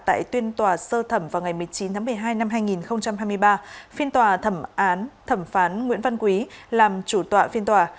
tại tuyên tòa sơ thẩm vào ngày một mươi chín tháng một mươi hai năm hai nghìn hai mươi ba phiên tòa thẩm án thẩm phán nguyễn văn quý làm chủ tọa phiên tòa